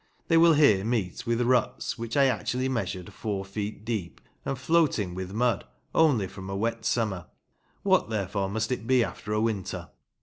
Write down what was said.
They will here meet with rutts which I actually measured four feet deep, and floating with mud only from a wet summer. What, therefore, must it be after a winter?